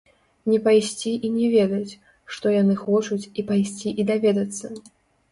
Не пайсці і не ведаць, што яны хочуць, і пайсці і даведацца.